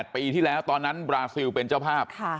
ปีที่แล้วตอนนั้นบราซิลเป็นเจ้าภาพ